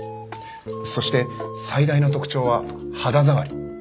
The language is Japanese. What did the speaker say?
そして最大の特徴は肌触り。